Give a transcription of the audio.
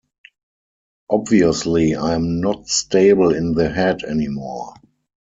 Obviously I am not stable in the head anymore.